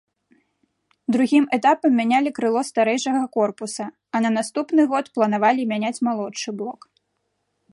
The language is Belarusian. Другім этапам мянялі крыло старэйшага корпуса, а на наступны год планавалі мяняць малодшы блок.